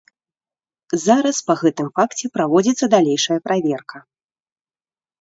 Зараз па гэтым факце праводзіцца далейшая праверка.